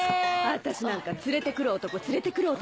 私なんか連れて来る男連れて来る男